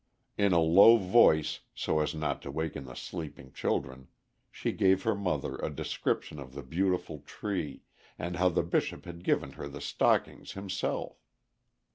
In a low voice, so as not to waken the sleeping children, she gave her mother a description of the beautiful tree, and how the Bishop had given her the stockings himself.